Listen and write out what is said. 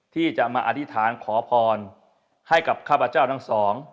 ที่จะมาอธิษฐานขอพรให้กับข้าพเจ้าทั้งสอง